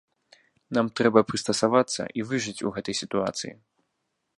Нам трэба прыстасавацца і выжыць у гэтай сітуацыі.